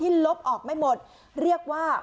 ลบออกไม่หมดเรียกว่า